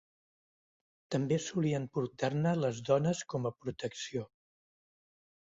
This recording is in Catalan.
També solien portar-ne les dones com a protecció.